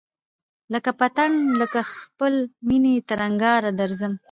لکه پتڼ له خپلی مېني تر انگاره درځم